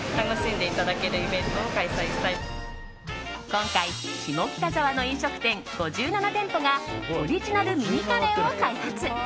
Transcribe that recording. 今回、下北沢の飲食店５７店舗がオリジナルミニカレーを開発。